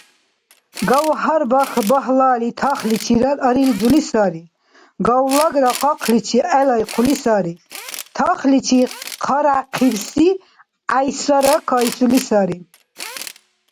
Гавгьар багьлали тахличирад арилзули сари, гавлагра къакъличи гӀелайхъули сари, тахличи хъаряхъибси гӀяйсара кайсули сари.